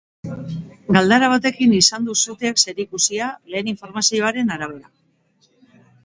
Galdara batekin izan du suteak zerikusia, lehen informazioen arabera.